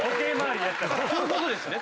そういうことですね。